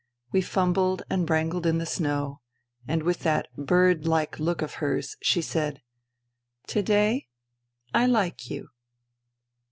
We fumbled and wrangled in the snow ; and, with that bird like look of hers, she said, " To day ... I like you."